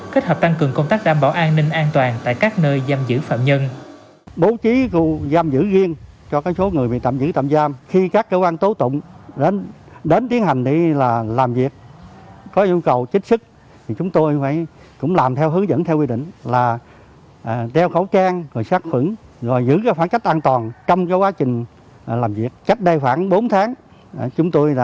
kết hợp tăng cường công tác đảm bảo an ninh an toàn tại các nơi giam giữ phạm nhân